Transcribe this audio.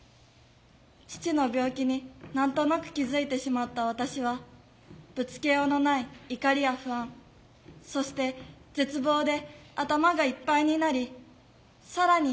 父の病気に何となく気付いてしまった私はぶつけようのない怒りや不安そして絶望で頭がいっぱいになり更に